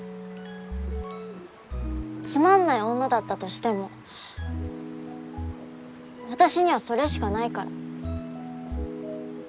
つまんない女だったとしても私にはそれしかないから。